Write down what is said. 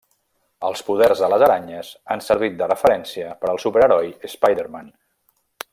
Els poders de les aranyes han servit de referència per al superheroi Spiderman.